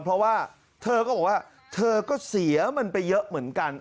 เพราะว่าเธอก็บอกว่าเธอก็เสียมันไปเยอะเหมือนกัน